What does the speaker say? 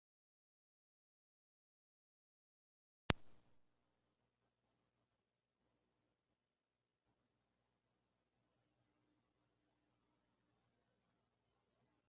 The Portuguese contribution to the lexicon came mainly from the dialects of southern Portugal.